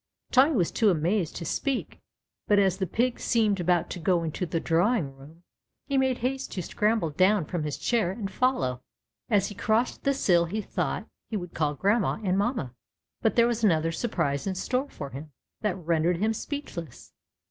Tommy was too amazed to speak, but as the Pig seemed about to go into the drawing room he made haste to scramble down from his chair and follow. As he crossed the sill he thought he would call grandma and mamma, but there was another surprise in store for him that rendered him speechless.